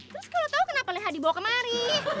terus kalau tau kenapa leha dibawa kemari